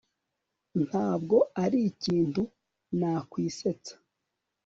ntabwo arikintu nakwisetsa